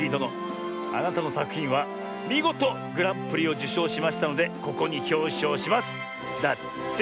あなたのさくひんはみごとグランプリをじゅしょうしましたのでここにひょうしょうします」だって！